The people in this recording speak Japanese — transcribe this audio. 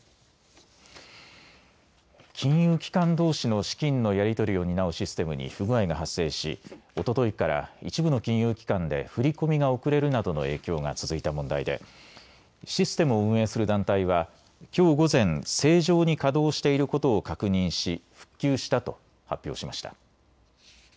金融機関どうしの資金のやり取りを担うシステムに不具合が発生し、おとといから一部の金融機関で振り込みが遅れるなどの影響が続いた問題でシステムを運営する団体はきょう午前、正常に稼働していることを確認し復旧したと発表しました。